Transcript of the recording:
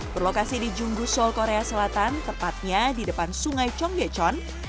berlokasi di junggu seoul korea selatan tepatnya di depan sungai chong gen